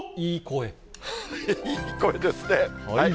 いい声ですね。